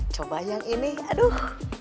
coba yang ini aduh